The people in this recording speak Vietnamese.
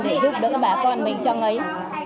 để giúp đỡ bà con mình cho ngấy